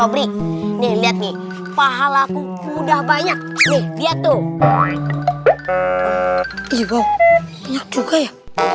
seri ini lihat nih pahala mudah banyak lihat tuh juga ya